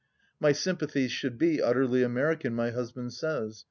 My sjrmpathies should be utterly American, my husband says.